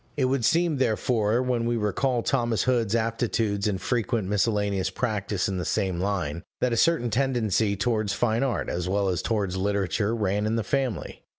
It would seem therefore, when we recall Thomas Hood's aptitudes and frequent miscellaneous practice in the same line, that a certain tendency towards fine art, as well as towards literature, ran in the family.